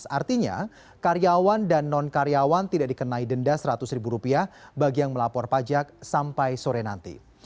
artinya karyawan dan non karyawan tidak dikenai denda seratus ribu rupiah bagi yang melapor pajak sampai sore nanti